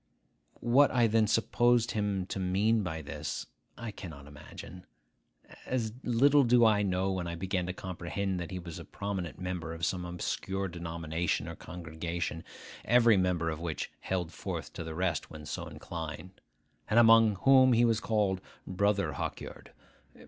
What I then supposed him to mean by this, I cannot imagine. As little do I know when I began to comprehend that he was a prominent member of some obscure denomination or congregation, every member of which held forth to the rest when so inclined, and among whom he was called Brother Hawkyard.